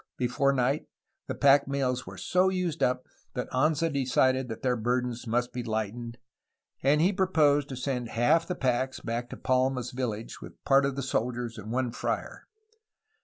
Before night the Lck mules were so used up that Anza decided that their burdens 300 A HISTORY OF CALIFORNIA must be lightened, and he proposed to send half the packs back to Palma's village with part of the soldiers and one friar.